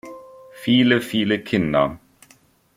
Viele, viele Kinder.